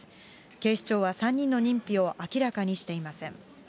警視庁は３人の認否を明らかにしていません。